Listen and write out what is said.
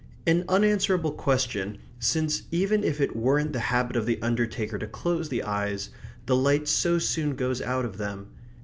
An unanswerable question, since even if it weren't the habit of the undertaker to close the eyes, the light so soon goes out of them.